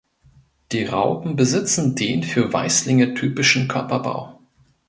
Die Raupen besitzen den für Weißlinge typischen Körperbau.